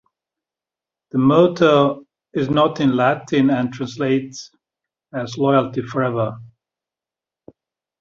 The motto is not in Latin and translates as "loyalty forever".